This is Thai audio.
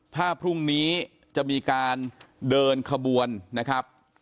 ถ้าพรุ่งนี้จะมีการเดินขบวนนะครับ